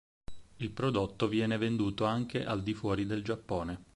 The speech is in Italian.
Il prodotto viene venduto anche al di fuori del Giappone.